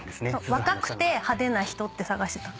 「若くて派手な人」って探してた。